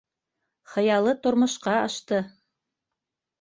Хыялы тормошҡа ашты!